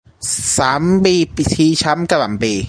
สามปีชีช้ำกระหล่ำปลี